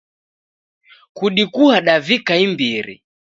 Kudikua davika imbiri